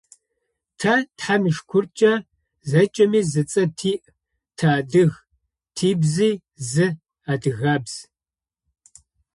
Тэ, тхьам ишыкуркӏэ, зэкӏэми зы цӏэ тиӏ – тыадыг, тыбзи – зы: адыгабз.